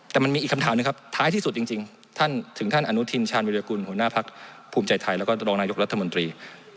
แต่มันมีอีกคำถามหนึ่งครับท้ายที่สุดจริงท่านถึงท่านอนุทินชาญวิรากุลหัวหน้าพักภูมิใจไทยแล้วก็รองนายกรัฐมนตรี